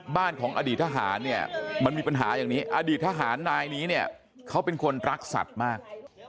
บ้านของอดีตทหารเนี่ยมันมีปัญหาอย่างนี้อดีตทหารนายนี้เนี่ยเขาเป็นคนรักสัตว์มาก